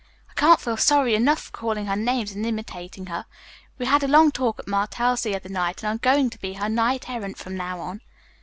I can't feel sorry enough for calling her names and imitating her. We had a long talk at Martell's the other night and I am going to be her knight errant from now on."